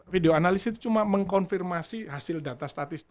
video analis itu cuma mengkonfirmasi hasil data statistik